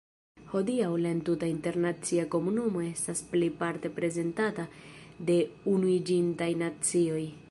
Hodiaŭ la entuta internacia komunumo estas plejparte reprezentata de Unuiĝintaj Nacioj.